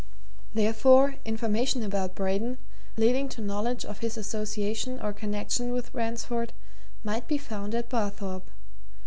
Therefore, information about Braden, leading to knowledge of his association or connection with Ransford, might be found at Barthorpe.